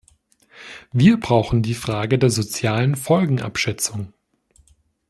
Wir brauchen die Frage der sozialen Folgenabschätzung.